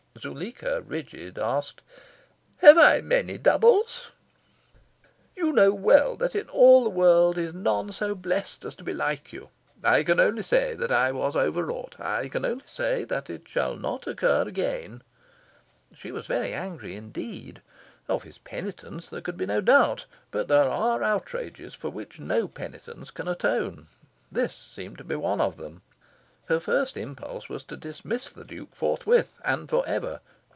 Zuleika, rigid, asked "Have I many doubles?" "You know well that in all the world is none so blest as to be like you. I can only say that I was over wrought. I can only say that it shall not occur again." She was very angry indeed. Of his penitence there could be no doubt. But there are outrages for which no penitence can atone. This seemed to be one of them. Her first impulse was to dismiss the Duke forthwith and for ever.